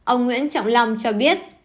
ông nguyễn trọng long cho biết